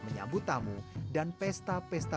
menyambut tamu dan pesta pesta